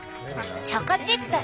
チョコチップ。